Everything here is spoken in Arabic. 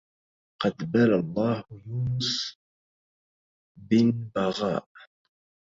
قد بلى الله يونس بن بغاء